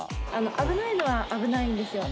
危ないのは危ないんですよ。